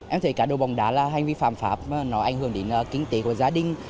em thấy cá đồ bóng đá là hành vi phạm pháp mà nó ảnh hưởng đến kinh tế của gia đình